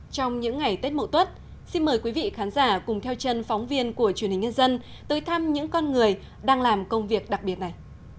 trong những ngày tết mậu tuất xin mời quý vị khán giả cùng theo chân phóng viên của truyền hình nhân dân tới thăm những con người đang làm công việc đặc biệt này